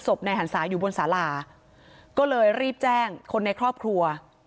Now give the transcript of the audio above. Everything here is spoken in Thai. นายหันศาอยู่บนสาราก็เลยรีบแจ้งคนในครอบครัว